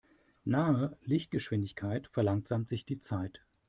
Nahe Lichtgeschwindigkeit verlangsamt sich die Zeit.